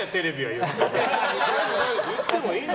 言ってもいいの。